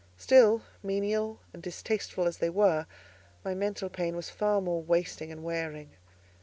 Still, menial and distasteful as they were, my mental pain was far more wasting and wearing.